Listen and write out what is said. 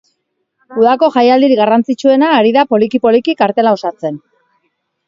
Udako jaialdirik garrantzitsuena ari da poliki poliki kartela osatzen.